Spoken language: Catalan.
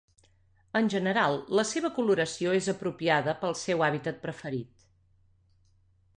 En general, la seva coloració és apropiada pel seu hàbitat preferit.